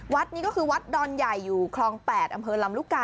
วัดนี้ก็คือวัดดอนใหญ่อยู่คลอง๘อำเภอลำลูกกา